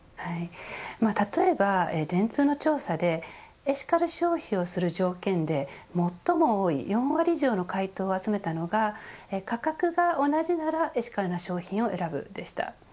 例えば電通の調査でエシカル消費をする条件で最も多い４割以上の回答を集めたのが価格が同じならエシカルな商品を選ぶ、でした。